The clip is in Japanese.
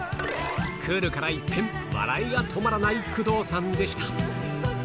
クールから一変、笑いが止まらない工藤さんでした。